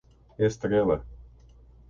Estrela